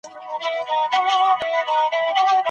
د ښوونکو د مهارتونو د کچې د ټاکلو لپاره منظم سیستم نه و.